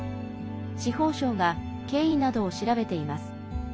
司法省が経緯などを調べています。